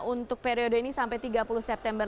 untuk periode ini sampai tiga puluh september